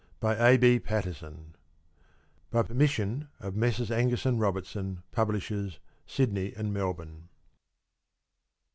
_ BY A. B. PATERSON. (_By permission of Messrs. Angus and Robertson, Publishers, Sydney and Melbourne.